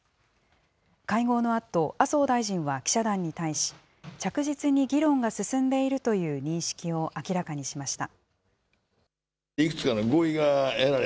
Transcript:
会合のあと、麻生大臣は記者団に対し、着実に議論が進んでいるという認識を明らかにしました。